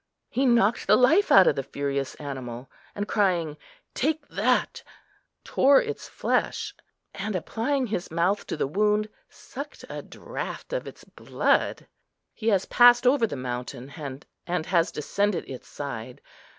He knocked the life out of the furious animal; and crying "Take that," tore its flesh, and, applying his mouth to the wound, sucked a draught of its blood. He has passed over the mountain, and has descended its side.